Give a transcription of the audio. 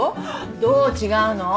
どう違うの？